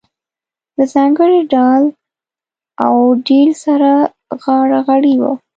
له ځانګړي ډال و ډیل سره غاړه غړۍ وه.